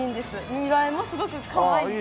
見栄えもすごくかわいいので。